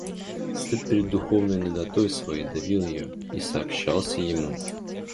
Стыд пред духовною наготою своей давил ее и сообщался ему.